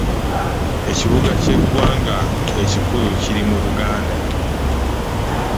Ekibuga ky'eggwanga ekikulu kiri mu Buganda.